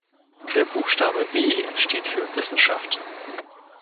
Der Buchstabe „W“ steht für Wissenschaft.